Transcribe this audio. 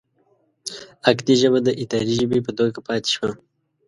اکدي ژبه د اداري ژبې په توګه پاتې شوه.